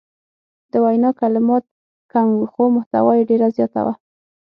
د وینا کلمات کم وو خو محتوا یې ډیره زیاته وه.